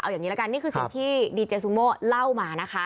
อย่างนี้ละกันนี่คือสิ่งที่ดีเจซูโม่เล่ามานะคะ